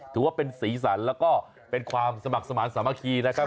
ถือว่าเป็นสีสันแล้วก็เป็นความสมัครสมาธิสามัคคีนะครับ